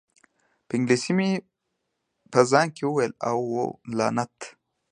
په انګلیسي مې په ځان کې وویل: اوه، لعنت!